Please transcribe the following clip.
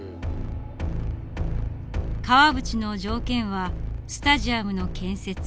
川淵の条件はスタジアムの建設。